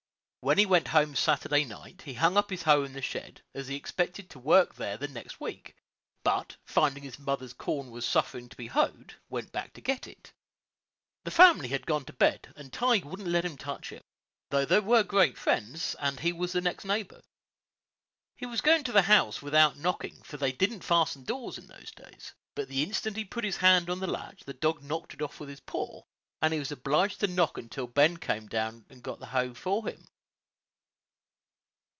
When he went home Saturday night, he hung up his hoe in the shed, as he expected to work there the next week, but, finding his mother's corn was suffering to be hoed, went back to get it. The family had gone to bed, and Tige wouldn't let him touch it, though they were great friends, and he was the next neighbor. He was going into the house without knocking, for they didn't fasten doors in those days; but the instant he put his hand on the latch, the dog knocked it off with his paw, and he was obliged to knock till Ben came and got the hoe for him.